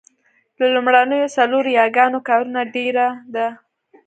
د لومړنیو څلورو یاګانو کارونه ډېره ده